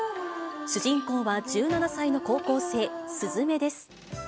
主人公は１７歳の高校生、すずめです。